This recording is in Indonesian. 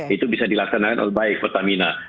itu bisa dilaksanakan oleh baik pertamina